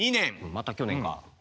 また去年か。